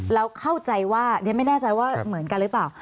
แล้วเข้าใจว่าเรียนไม่แน่ใจว่าเหมือนกันหรือเปล่า